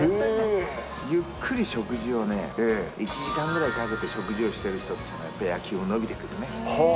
ゆっくり食事をね、１時間ぐらいかけて食事をしてる人って、やっぱり野球も伸びてくるんだよね。